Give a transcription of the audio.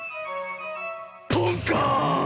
ポンカーン！